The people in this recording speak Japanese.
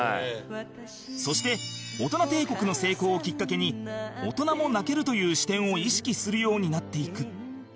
そして『オトナ帝国』の成功をきっかけに「大人も泣ける」という視点を意識するようになっていく